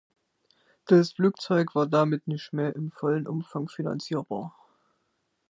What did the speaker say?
Das Flugzeug war damit nicht mehr im vollen Umfang finanzierbar.